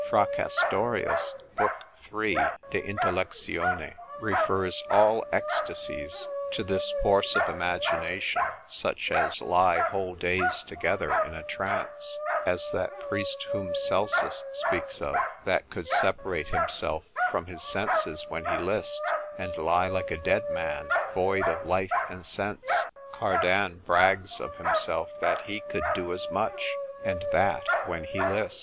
Fracast. l. 3. de intellect, refers all ecstasies to this force of imagination, such as lie whole days together in a trance: as that priest whom Celsus speaks of, that could separate himself from his senses when he list, and lie like a dead man, void of life and sense. Cardan brags of himself, that he could do as much, and that when he list.